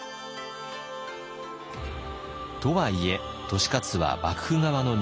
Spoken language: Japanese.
とはいえ利勝は幕府側の人間。